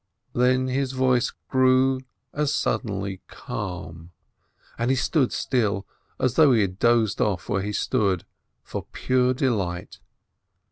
Then his voice grew as suddenly calm, and he stood still, as though he had dozed off where he stood, for pure delight.